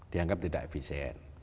dianggap tidak efisien